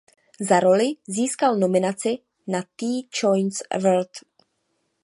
Za roli získal nominaci na Teen Choice Award.